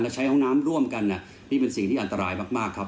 แล้วใช้ห้องน้ำร่วมกันนี่เป็นสิ่งที่อันตรายมากครับ